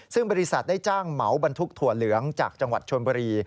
ซึ่งบริษัทได้จ้างเหมาบรรทุกถั่วเหลืองจากจังหวัดชนบุรี